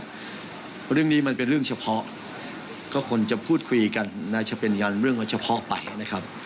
เรื่องนี้มันเป็นเรื่องเฉพาะก็ควรจะพูดคุยกันน่าจะเป็นการเรื่องมันเฉพาะไปนะครับ